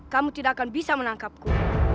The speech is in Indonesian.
kamu tidak akan bisa menangkapku